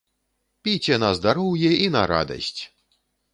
Піце на здароўе і на радасць!